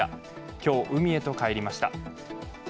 今日、海へと返りました。